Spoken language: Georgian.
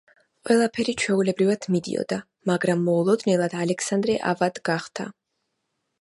ყველაფერი ჩვეულებრივად მიდიოდა, მაგრამ მოულოდნელად ალექსანდრე ავად გახდა.